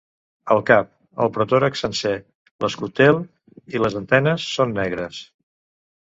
El cap, el protòrax sencer, l'escutel i les antenes són negres.